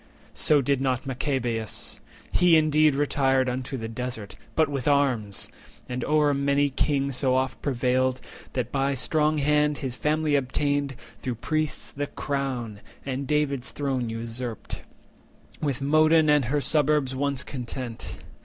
So did not Machabeus. He indeed Retired unto the Desert, but with arms; And o'er a mighty king so oft prevailed That by strong hand his family obtained, Though priests, the crown, and David's throne usurped, With Modin and her suburbs once content.